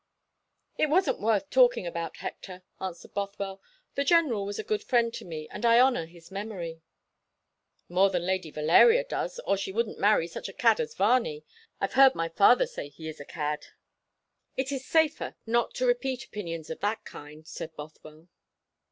"It wasn't worth talking about, Hector," answered Bothwell. "The General was a good friend to me, and I honour his memory." "More than Lady Valeria does, or she wouldn't marry such a cad as Varney. I've heard my father say he is a cad." "It is safer not to repeat opinions of that kind," said Bothwell.